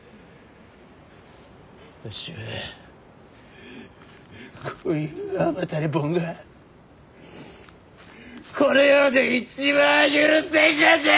わしはこういう甘たれボンがこの世で一番許せんがじゃ！